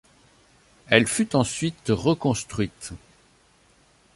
Elle fut ensuite reconstruite.